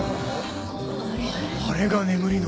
あれが眠りの。